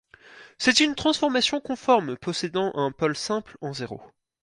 C'est une transformation conforme possédant un pôle simple en zéro.